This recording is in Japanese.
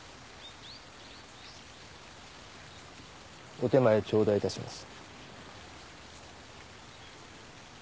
お点前頂戴いたします。